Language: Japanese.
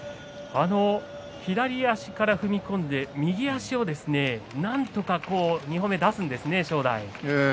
左足から踏み込んで右足をなんとか２歩目出すんですね正代。